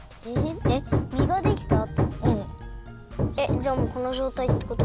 じゃあもうこのじょうたいってこと？